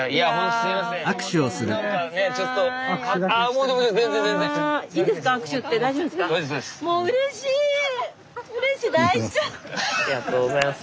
スタジオありがとうございます。